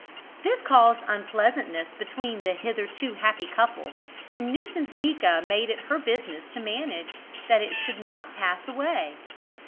This caused unpleasantness between the hitherto happy couple, and Nuisancenika made it her business to manage that it should not pass away.